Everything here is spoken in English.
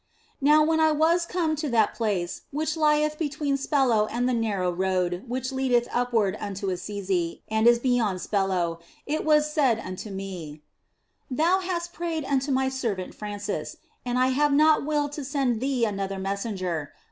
Now when I was come to that place which lieth be tween Spello and the narrow road which leadeth upward unto Assisi, and is beyond Spello, it was said unto me :" Thou hast prayed unto My servant Francis, and I have not willed to send thee another messenger.